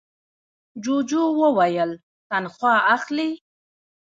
جوجو وویل تنخوا اخلې؟